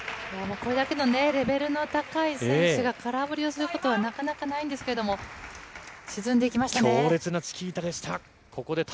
これだけのレベルの高い選手が空振りをすることはなかなかないんですけれども、沈んでいきま強烈なチキータでした。